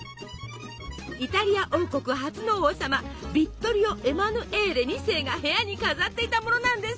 イタリア王国初の王様ヴィットリオ・エマヌエーレ２世が部屋に飾っていたものなんですって。